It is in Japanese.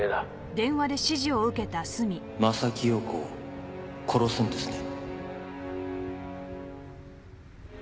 柾庸子を殺すんですね。